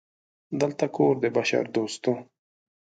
دلته کور د بشردوستو